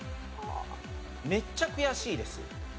「めっちゃ悔しいです」。